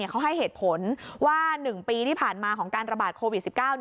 เขาให้เหตุผลว่า๑ปีที่ผ่านมาของการระบาดโควิด๑๙